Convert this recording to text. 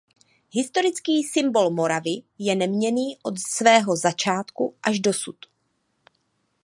Historický symbol Moravy je neměnný od svého začátku až dosud.